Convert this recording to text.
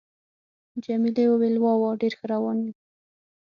جميلې وويل:: وا وا، ډېر ښه روان یو.